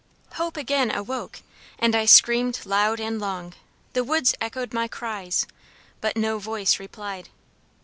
Hope again awoke, and I screamed loud and long; the woods echoed my cries, but no voice replied.